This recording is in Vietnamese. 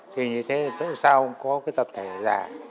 thì như thế sau có tập thể già